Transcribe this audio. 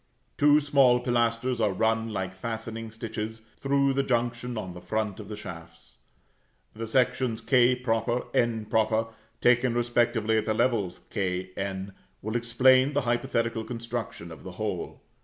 Two small pilasters are run, like fastening stitches, through the junction on the front of the shafts. The sections [=k] [=n] taken respectively at the levels k, n, will explain the hypothetical construction of the whole.